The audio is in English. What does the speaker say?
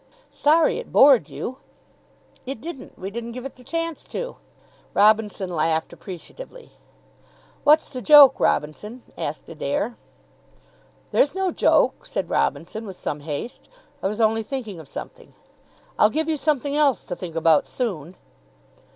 "Sorry it bored you." "It didn't. We didn't give it the chance to." Robinson laughed appreciatively. "What's the joke, Robinson?" asked Adair. "There's no joke," said Robinson, with some haste. "I was only thinking of something." "I'll give you something else to think about soon."